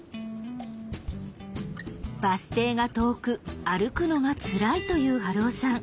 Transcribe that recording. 「バス停が遠く歩くのがつらい」という春雄さん。